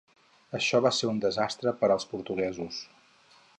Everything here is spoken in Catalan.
Això va ser un desastre per als portuguesos.